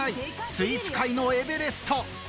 スイーツ界のエベレスト。